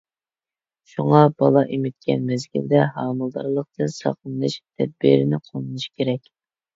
شۇڭا بالا ئېمىتكەن مەزگىلدە، ھامىلىدارلىقتىن ساقلىنىش تەدبىرىنى قوللىنىش كېرەك.